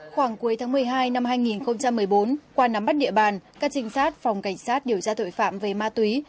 khoảng cuối tháng một mươi hai năm hai nghìn một mươi bốn qua nắm bắt địa bàn các trinh sát phòng cảnh sát điều tra tội phạm về ma túy